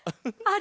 あ！